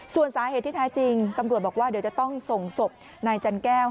ส่วนสาเหตุที่แท้จริงตำรวจบอกว่าเดี๋ยวจะต้องส่งศพนายจันแก้ว